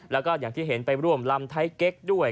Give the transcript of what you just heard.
แล้วก็อย่างที่เห็นไปร่วมลำไทยเก๊กด้วย